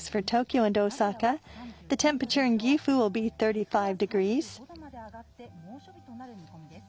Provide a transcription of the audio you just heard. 岐阜は３５度まで上がって猛暑日となる見込みです。